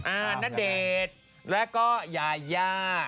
อ่านเดชน์แล้วก็ยาหญ้า